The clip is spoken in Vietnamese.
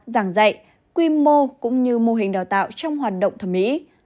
giảng dạy quy mô cũng như mô hình đào tạo trong hoạt động thẩm mỹ